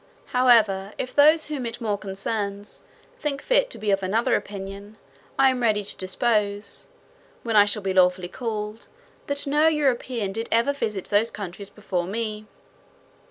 However, if those whom it more concerns think fit to be of another opinion, I am ready to depose, when I shall be lawfully called, that no European did ever visit those countries before me.